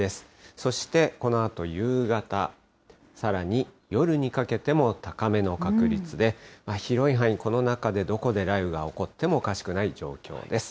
そして、このあと夕方、さらに夜にかけても高めの確率で、広い範囲、この中でどこで雷雨が起こってもおかしくない状況です。